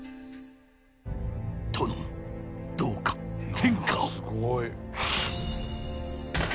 殿どうか天下を。